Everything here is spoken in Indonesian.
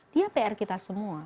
dia pr kita semua